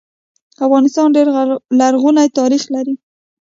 افغانستان ډير لرغونی تاریخ لري